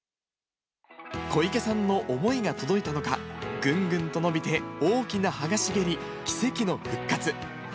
小池さんの思いが届いたのか、ぐんぐんと伸びて大きな葉が茂り、奇跡の復活。